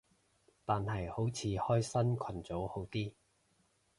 但係好似開新群組好啲